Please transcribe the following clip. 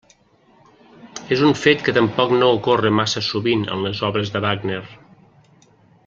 És un fet que tampoc no ocorre massa sovint en les obres de Wagner.